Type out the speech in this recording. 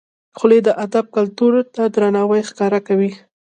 خولۍ د ادب کلتور ته درناوی ښکاره کوي.